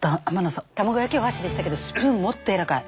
卵焼きお箸でしたけどスプーンもっとやわらかい。